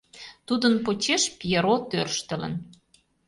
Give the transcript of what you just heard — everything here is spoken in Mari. Тудын почеш Пьеро тӧрштылын.